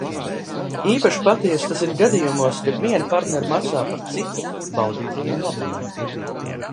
Īpaši patiesi tas ir gadījumos, kad vieni partneri maksā par citu baudītajiem labumiem.